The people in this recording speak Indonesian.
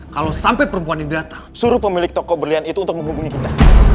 kalau sampai perempuan ini datang suruh pemilik toko berlian itu untuk menghubungi kita